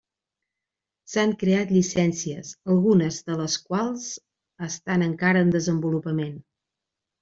S'han creat llicències, algunes de les quals estan encara en desenvolupament.